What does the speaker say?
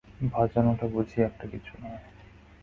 বাজানোটা বুঝি একটা কিছু নয়।